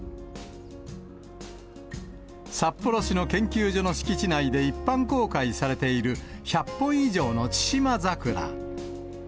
札幌市の研究所の敷地内で一般公開されている、１００本以上の千島桜。